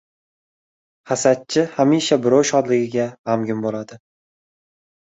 • Hasadchi hamisha birov shodligiga g‘amgin bo‘ladi.